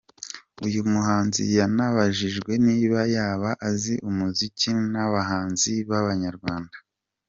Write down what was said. Uyu muhanzi yanabajijwe niba yaba azi umuziki n’abahanzi babanyarwanda.